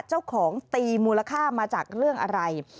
เจ้าของตีมูลค่ามาจากเรื่องอะไร